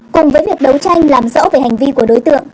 cùng với việc đấu tranh làm rõ về hành vi của đối tượng